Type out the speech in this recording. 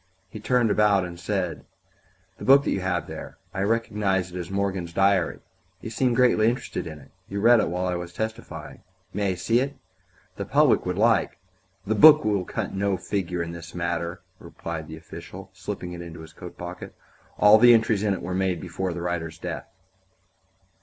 He turned about and said: "The book that you have there I recognize it as Morgan's diary. You seemed greatly interested in it; you read in it while I was testifying. May I see it? The public would like " "The book will cut no figure in this matter," replied the official, slipping it into his coat pocket; "all the entries in it were made before the writer's death."